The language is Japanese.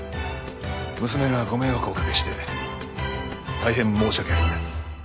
娘がご迷惑をおかけして大変申し訳ありません。